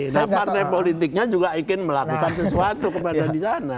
nah partai politiknya juga ingin melakukan sesuatu kepada di sana